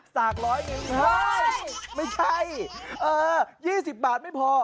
สาก๑๐๐นิ้วค่ะไม่ใช่เออ๒๐บาทไม่พอ